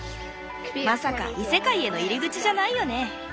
まさか異世界への入り口じゃないよね？